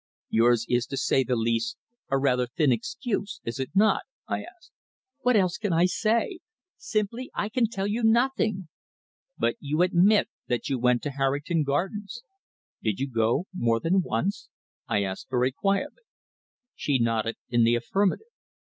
"Yours is, to say the least, a rather thin excuse, is it not?" I asked. "What else can I say? Simply I can tell you nothing." "But you admit that you went to Harrington Gardens. Did you go more than once?" I asked very quietly. She nodded in the affirmative.